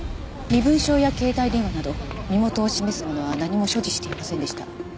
身分証や携帯電話など身元を示すものは何も所持していませんでした。